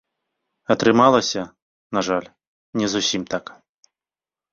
Атрымалася, на жаль, не зусім так.